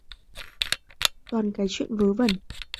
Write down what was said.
toàn cái chuyện vớ vẩn